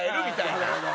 なるほど。